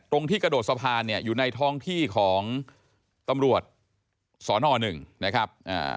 ที่กระโดดสะพานเนี่ยอยู่ในท้องที่ของตำรวจสนหนึ่งนะครับ